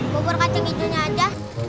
bubur kacang hijaunya aja